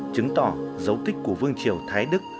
chứng tỏ dấu tích của vương triều thái đức